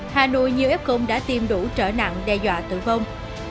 hà nội nhiều ép cung đã tiêm đủ trở nặng đe dọa tử vong